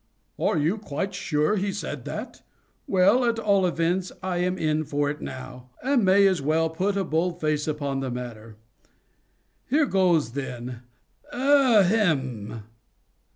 "Are you quite sure he said that? Well, at all events I am in for it now, and may as well put a bold face upon the matter. Here goes, then—ahem!"